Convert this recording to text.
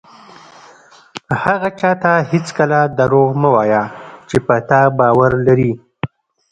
هغه چاته هېڅکله دروغ مه وایه چې په تا باور لري.